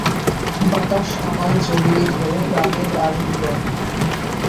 বাতাস আমায় জড়িয়ে ধরে প্রাণের আলিঙ্গনে।